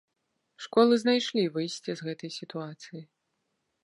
Школы знайшлі выйсце з гэтай сітуацыі.